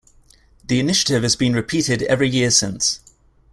The initiative has been repeated every year since.